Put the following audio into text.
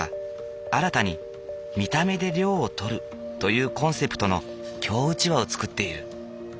新たに見た目で涼をとるというコンセプトの京うちわを作っている。